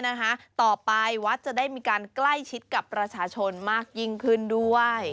ไม่ว่าที่สี่วาดจะได้มีการใกล้ชิดกับประชาชนมากยิ่งขึ้นด้วย